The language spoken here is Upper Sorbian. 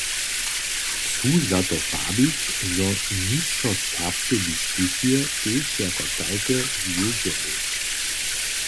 Chcu za to wabić, zo nutřoserbske diskusije tež jako tajke wjedźemy.